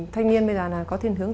thanh niên bây giờ là có thiên hướng